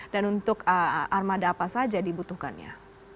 dan untuk armada apa saja dibutuhkannya